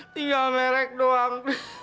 tinggal merek doang